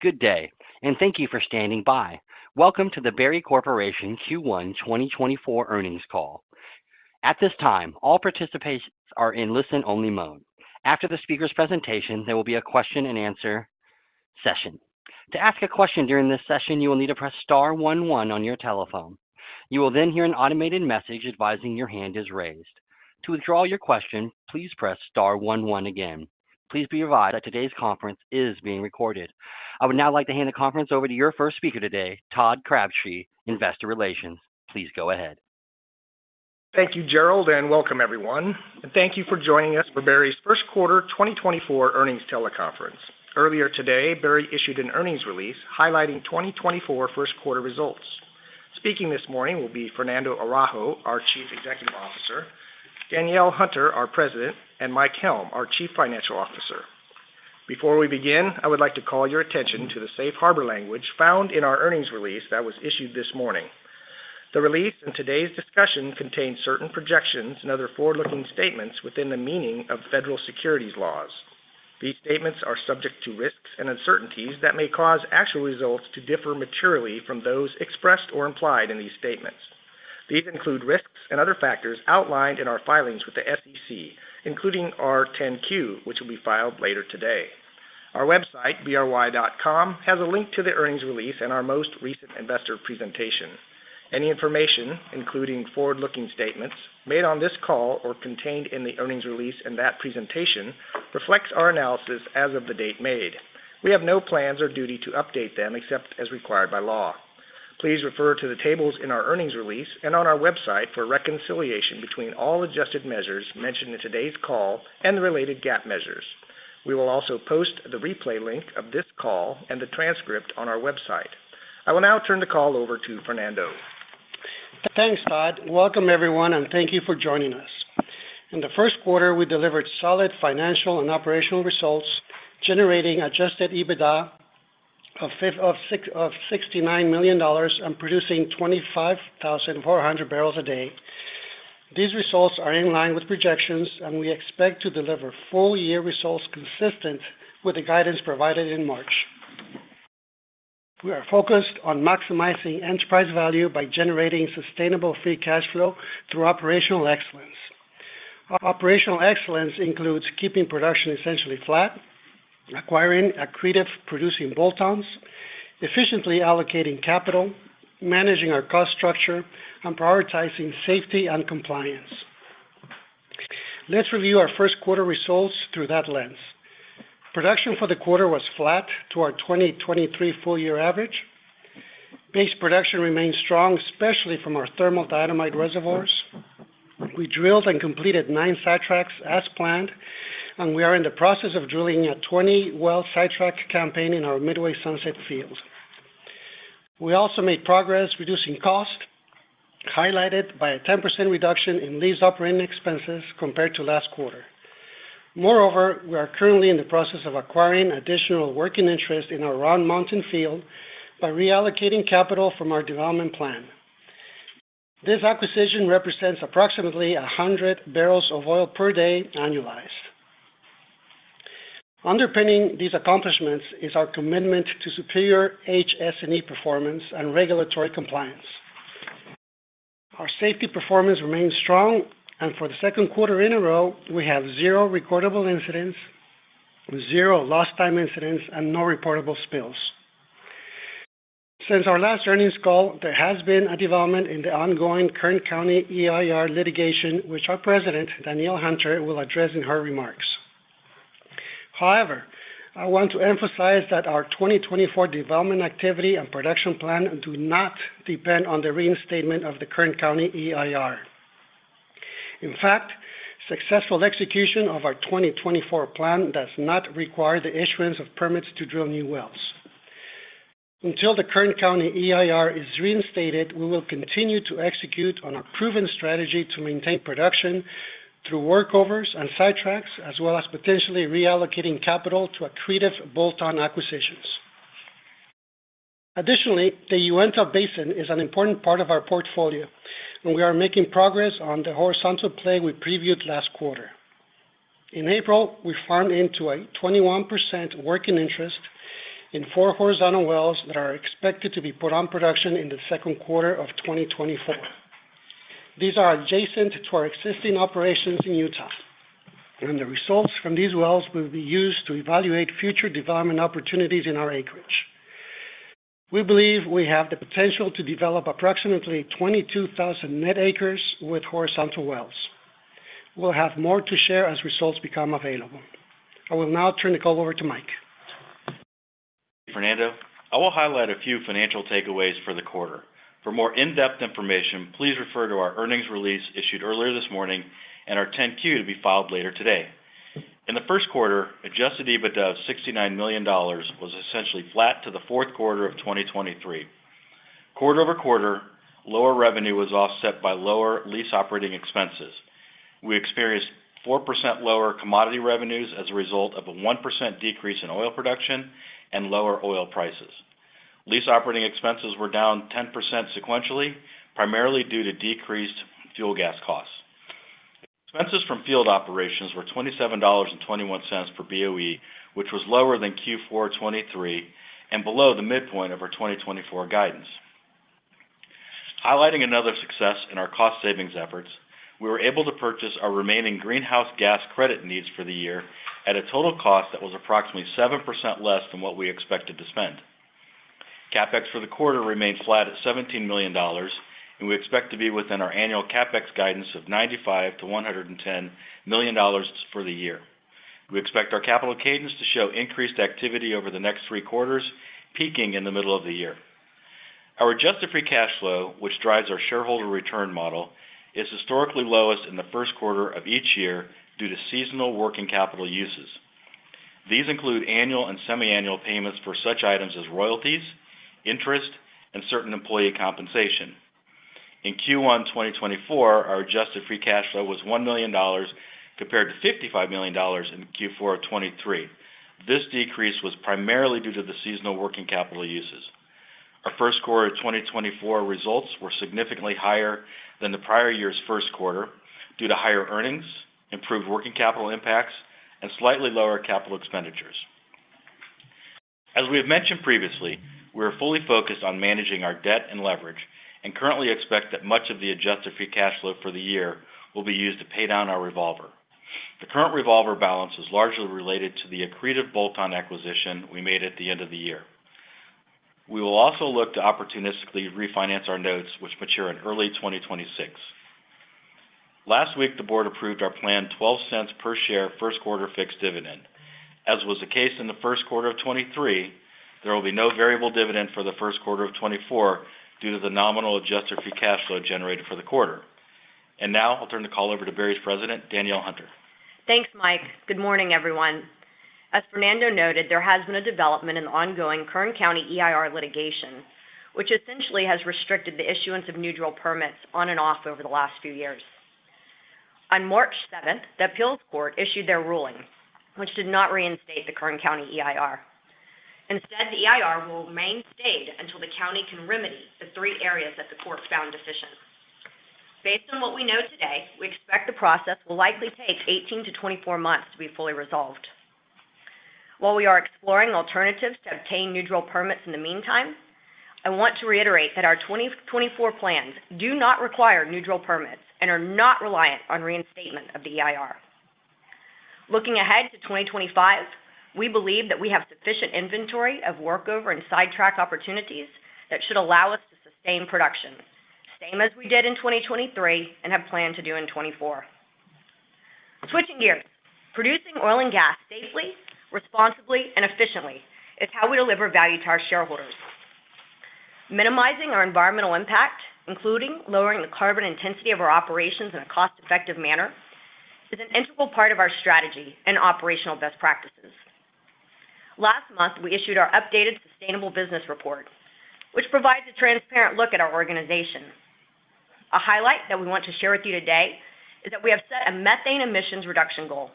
Good day, and thank you for standing by. Welcome to the Berry Corporation Q1 2024 earnings call. At this time, all participants are in listen-only mode. After the speaker's presentation, there will be a question-and-answer session. To ask a question during this session, you will need to press star one one on your telephone. You will then hear an automated message advising your hand is raised. To withdraw your question, please press star one one again. Please be advised that today's conference is being recorded. I would now like to hand the conference over to your first speaker today, Todd Crabtree, Investor Relations. Please go ahead. Thank you, Gerald, and welcome everyone. Thank you for joining us for Berry's First Quarter 2024 earnings teleconference. Earlier today, Berry issued an earnings release highlighting 2024 first quarter results. Speaking this morning will be Fernando Araujo, our Chief Executive Officer, Danielle Hunter, our President, and Mike Helm, our Chief Financial Officer. Before we begin, I would like to call your attention to the safe harbor language found in our earnings release that was issued this morning. The release in today's discussion contains certain projections and other forward-looking statements within the meaning of federal securities laws. These statements are subject to risks and uncertainties that may cause actual results to differ materially from those expressed or implied in these statements. These include risks and other factors outlined in our filings with the SEC, including our 10-Q, which will be filed later today. Our website, bry.com, has a link to the earnings release and our most recent investor presentation. Any information, including forward-looking statements, made on this call or contained in the earnings release and that presentation, reflects our analysis as of the date made. We have no plans or duty to update them except as required by law. Please refer to the tables in our earnings release and on our website for reconciliation between all adjusted measures mentioned in today's call and the related GAAP measures. We will also post the replay link of this call and the transcript on our website. I will now turn the call over to Fernando. Thanks, Todd. Welcome, everyone, and thank you for joining us. In the first quarter, we delivered solid financial and operational results, generating Adjusted EBITDA of $69 million and producing 25,400 barrels a day. These results are in line with projections, and we expect to deliver full-year results consistent with the guidance provided in March. We are focused on maximizing enterprise value by generating sustainable free cash flow through operational excellence. Our operational excellence includes keeping production essentially flat, acquiring accretive producing bolt-ons, efficiently allocating capital, managing our cost structure, and prioritizing safety and compliance. Let's review our first quarter results through that lens. Production for the quarter was flat to our 2023 full year average. Base production remains strong, especially from our thermal diatomite reservoirs. We drilled and completed 9 sidetracks as planned, and we are in the process of drilling a 20-well sidetrack campaign in our Midway-Sunset Field. We also made progress reducing costs, highlighted by a 10% reduction in these operating expenses compared to last quarter. Moreover, we are currently in the process of acquiring additional working interest in our Round Mountain Field by reallocating capital from our development plan. This acquisition represents approximately 100 barrels of oil per day annualized. Underpinning these accomplishments is our commitment to superior HS&E performance and regulatory compliance. Our safety performance remains strong, and for the second quarter in a row, we have zero recordable incidents, zero lost time incidents, and no reportable spills. Since our last earnings call, there has been a development in the ongoing Kern County EIR litigation, which our President, Danielle Hunter, will address in her remarks. However, I want to emphasize that our 2024 development activity and production plan do not depend on the reinstatement of the Kern County EIR. In fact, successful execution of our 2024 plan does not require the issuance of permits to drill new wells. Until the Kern County EIR is reinstated, we will continue to execute on our proven strategy to maintain production through workovers and sidetracks, as well as potentially reallocating capital to accretive bolt-on acquisitions. Additionally, the Uinta Basin is an important part of our portfolio, and we are making progress on the horizontal play we previewed last quarter. In April, we farmed into a 21% working interest in 4 horizontal wells that are expected to be put on production in the second quarter of 2024. These are adjacent to our existing operations in Utah, and the results from these wells will be used to evaluate future development opportunities in our acreage. We believe we have the potential to develop approximately 22,000 net acres with horizontal wells. We'll have more to share as results become available. I will now turn the call over to Mike. Fernando, I will highlight a few financial takeaways for the quarter. For more in-depth information, please refer to our earnings release issued earlier this morning and our 10-Q to be filed later today. In the first quarter, Adjusted EBITDA of $69 million was essentially flat to the fourth quarter of 2023. Quarter-over-quarter, lower revenue was offset by lower lease operating expenses. We experienced 4% lower commodity revenues as a result of a 1% decrease in oil production and lower oil prices. Lease operating expenses were down 10% sequentially, primarily due to decreased fuel gas costs. Expenses from field operations were $27.21 per BOE, which was lower than Q4 2023 and below the midpoint of our 2024 guidance. Highlighting another success in our cost savings efforts, we were able to purchase our remaining greenhouse gas credit needs for the year at a total cost that was approximately 7% less than what we expected to spend. CapEx for the quarter remained flat at $17 million, and we expect to be within our annual CapEx guidance of $95 million-$110 million for the year. We expect our capital cadence to show increased activity over the next three quarters, peaking in the middle of the year. Our Adjusted Free Cash Flow, which drives our shareholder return model, is historically lowest in the first quarter of each year due to seasonal working capital uses. These include annual and semiannual payments for such items as royalties, interest, and certain employee compensation. In Q1 2024, our Adjusted Free Cash Flow was $1 million, compared to $55 million in Q4 of 2023. This decrease was primarily due to the seasonal working capital uses. Our first quarter of 2024 results were significantly higher than the prior year's first quarter due to higher earnings, improved working capital impacts, and slightly lower capital expenditures. As we have mentioned previously, we are fully focused on managing our debt and leverage, and currently expect that much of the Adjusted Free Cash Flow for the year will be used to pay down our revolver. The current revolver balance is largely related to the accretive bolt-on acquisition we made at the end of the year. We will also look to opportunistically refinance our notes, which mature in early 2026. Last week, the board approved our planned $0.12 per share first quarter fixed dividend. As was the case in the first quarter of 2023, there will be no variable dividend for the first quarter of 2024 due to the nominal Adjusted Free Cash Flow generated for the quarter. Now I'll turn the call over to Berry's President, Danielle Hunter. Thanks, Mike. Good morning, everyone. As Fernando noted, there has been a development in the ongoing Kern County EIR litigation, which essentially has restricted the issuance of new permits on and off over the last few years. On March seventh, the appeals court issued their ruling, which did not reinstate the Kern County EIR. Instead, the EIR will remain stayed until the county can remedy the three areas that the court found deficient. Based on what we know today, we expect the process will likely take 18 months-24 months to be fully resolved. While we are exploring alternatives to obtain new permits in the meantime, I want to reiterate that our 2024 plans do not require new permits and are not reliant on reinstatement of the EIR. Looking ahead to 2025, we believe that we have sufficient inventory of workover and sidetrack opportunities that should allow us to sustain production, same as we did in 2023 and have planned to do in 2024. Switching gears, producing oil and gas safely, responsibly, and efficiently is how we deliver value to our shareholders. Minimizing our environmental impact, including lowering the carbon intensity of our operations in a cost-effective manner, is an integral part of our strategy and operational best practices. Last month, we issued our updated Sustainable Business Report, which provides a transparent look at our organization. A highlight that we want to share with you today is that we have set a methane emissions reduction goal.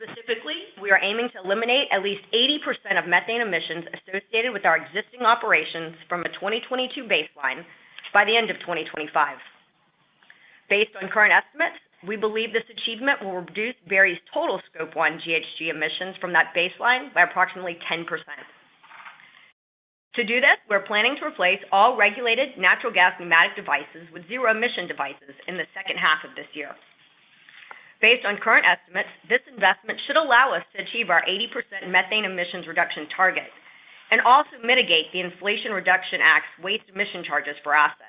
Specifically, we are aiming to eliminate at least 80% of methane emissions associated with our existing operations from a 2022 baseline by the end of 2025. Based on current estimates, we believe this achievement will reduce Berry's total Scope 1 GHG emissions from that baseline by approximately 10%. To do this, we're planning to replace all regulated natural gas pneumatic devices with zero-emission devices in the second half of this year. Based on current estimates, this investment should allow us to achieve our 80% methane emissions reduction target and also mitigate the Inflation Reduction Act's waste emission charges for assets.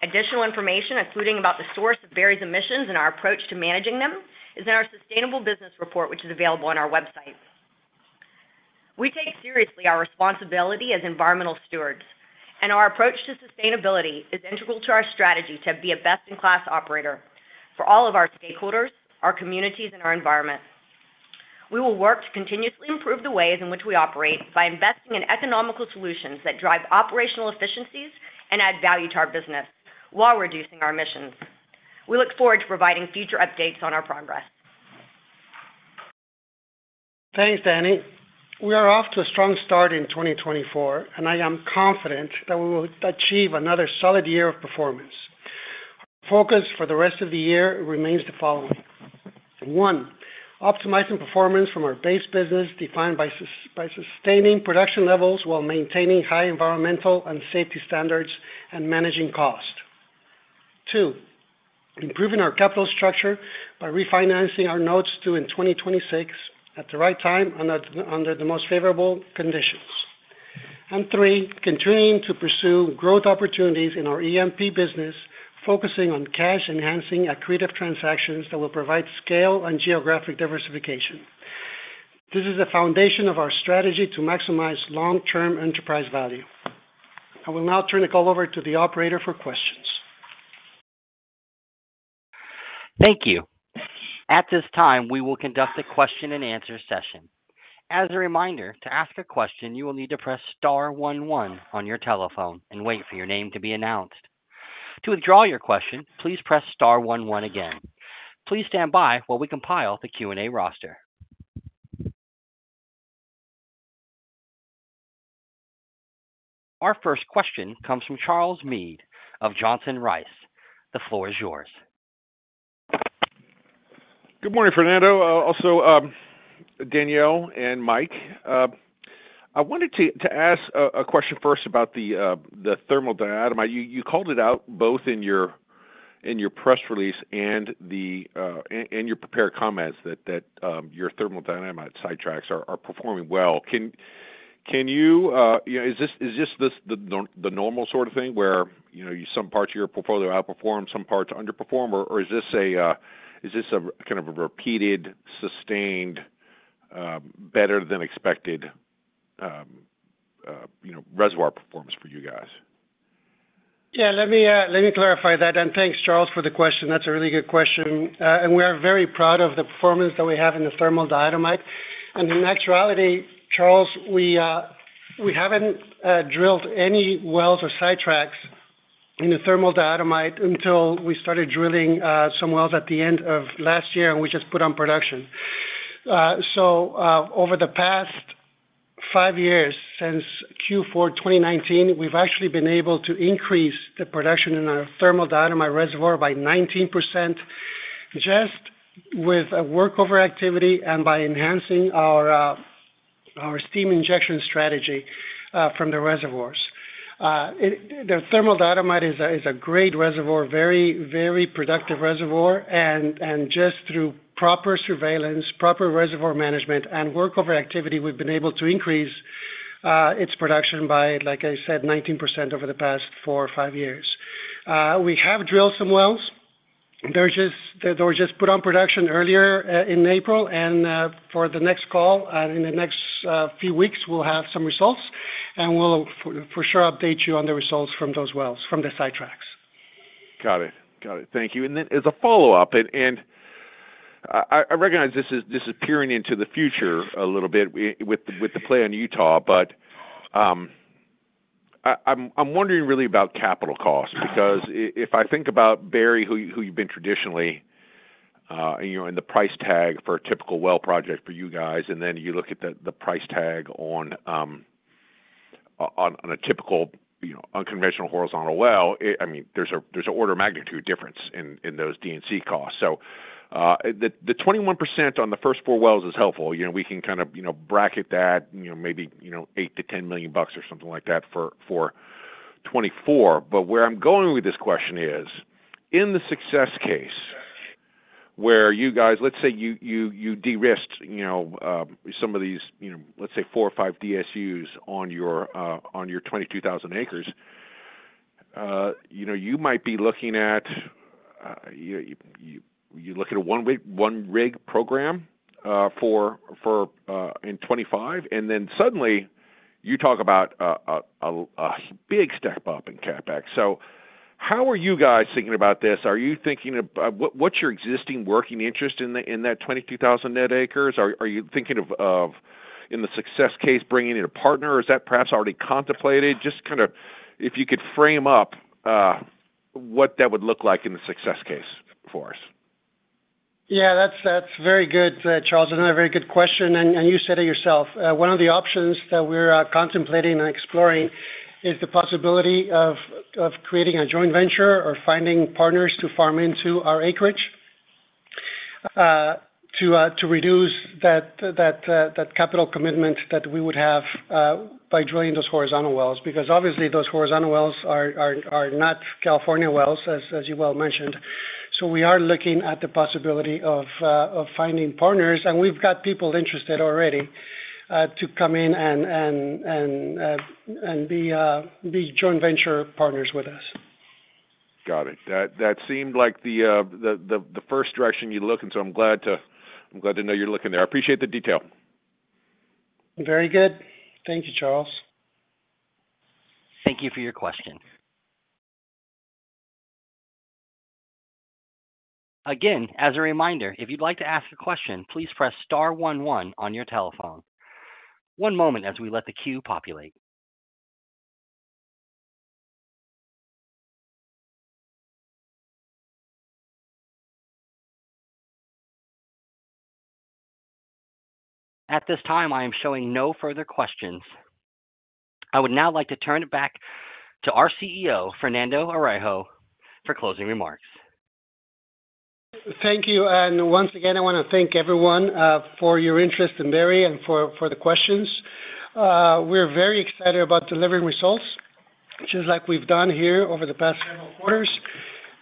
Additional information, including about the source of Berry's emissions and our approach to managing them, is in our Sustainable Business Report, which is available on our website. We take seriously our responsibility as environmental stewards, and our approach to sustainability is integral to our strategy to be a best-in-class operator for all of our stakeholders, our communities, and our environment. We will work to continuously improve the ways in which we operate by investing in economical solutions that drive operational efficiencies and add value to our business while reducing our emissions. We look forward to providing future updates on our progress. Thanks, Dani. We are off to a strong start in 2024, and I am confident that we will achieve another solid year of performance. Focus for the rest of the year remains the following: 1, optimizing performance from our base business, defined by sustaining production levels while maintaining high environmental and safety standards and managing cost. 2, improving our capital structure by refinancing our notes due in 2026 at the right time and, under the most favorable conditions. 3, continuing to pursue growth opportunities in our E&P business, focusing on cash-enhancing accretive transactions that will provide scale and geographic diversification. This is the foundation of our strategy to maximize long-term enterprise value. I will now turn the call over to the operator for questions. Thank you. At this time, we will conduct a question-and-answer session. As a reminder, to ask a question, you will need to press star one one on your telephone and wait for your name to be announced. To withdraw your question, please press star one one again. Please stand by while we compile the Q&A roster. Our first question comes from Charles Meade of Johnson Rice. The floor is yours. Good morning, Fernando. Also, Danielle and Mike. I wanted to ask a question first about the thermal diatomite. You called it out both in your press release and your prepared comments that your thermal diatomite sidetracks are performing well. Can you, you know, is this the normal sort of thing where, you know, some parts of your portfolio outperform, some parts underperform? is this a kind of a repeated, sustained, better-than-expected, you know, reservoir performance for you guys? Yeah, let me, let me clarify that. Thanks, Charles, for the question. That's a really good question. We are very proud of the performance that we have in the thermal diatomite. In actuality, Charles, we, we haven't, drilled any wells or sidetracks in the thermal diatomite until we started drilling, some wells at the end of last year, and we just put on production. over the past five years, since Q4 2019, we've actually been able to increase the production in our thermal diatomite reservoir by 19%, just with a workover activity and by enhancing our, our steam injection strategy, from the reservoirs. The thermal diatomite is a great reservoir, very, very productive reservoir, and just through proper surveillance, proper reservoir management, and workover activity, we've been able to increase its production by, like I said, 19% over the past four or five years. We have drilled some wells. They're just, they were just put on production earlier in April, and for the next call, in the next few weeks, we'll have some results, and we'll for sure update you on the results from those wells, from the sidetracks. Got it. Got it. Thank you. Then as a follow-up, I recognize this is peering into the future a little bit with the play on Utah, but I'm wondering really about capital costs. Because if I think about Berry, who you've been traditionally, you know, and the price tag for a typical well project for you guys, and then you look at the price tag on a typical, you know, unconventional horizontal well, it. I mean, there's an order of magnitude difference in those D&C costs. The 21% on the first 4 wells is helpful. You know, we can kind of bracket that, you know, maybe $8 million-$10 million or something like that for 2024. Where I'm going with this question is, in the success case, where you guys, let's say you de-risked, you know, some of these, you know, let's say four or five DSUs on your, on your 22,000 acres, you know, you might be looking at, you look at a one rig, one rig program, for, for, in 2025, and then suddenly, you talk about a big step up in CapEx. How are you guys thinking about this? Are you thinking what, what's your existing working interest in the, in that 22,000 net acres? Are you thinking of, in the success case, bringing in a partner, or is that perhaps already contemplated? Just kind of if you could frame up, what that would look like in the success case for us. Yeah, that's very good, Charles. Another very good question, and you said it yourself. One of the options that we're contemplating and exploring is the possibility of creating a joint venture or finding partners to farm into our acreage to reduce that capital commitment that we would have by drilling those horizontal wells. Because obviously, those horizontal wells are not California wells, as you well mentioned. We are looking at the possibility of finding partners, and we've got people interested already to come in and be joint venture partners with us. Got it. That seemed like the first direction you'd look, and so I'm glad to know you're looking there. I appreciate the detail. Very good. Thank you, Charles. Thank you for your question. Again, as a reminder, if you'd like to ask a question, please press star one one on your telephone. One moment as we let the queue populate. At this time, I am showing no further questions. I would now like to turn it back to our CEO, Fernando Araujo, for closing remarks. Thank you. Once again, I wanna thank everyone for your interest in Berry and for the questions. We're very excited about delivering results, just like we've done here over the past several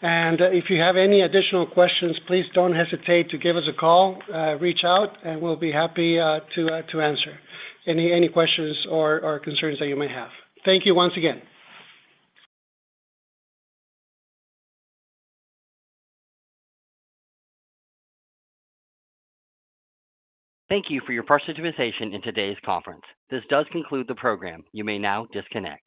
quarters. If you have any additional questions, please don't hesitate to give us a call, reach out, and we'll be happy to answer any questions or concerns that you may have. Thank you once again. Thank you for your participation in today's conference. This does conclude the program. You may now disconnect.